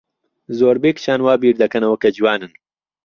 زۆربەی کچان وا بیردەکەنەوە کە جوانن.